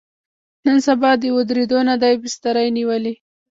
نن سبا د ودرېدو نه دی، بستره یې نیولې.